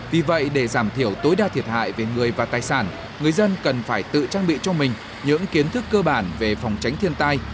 vì vậy để giảm thiểu tối đa thiệt hại về người và tài sản người dân cần phải tự trang bị cho mình những kiến thức cơ bản về phòng tránh thiên tai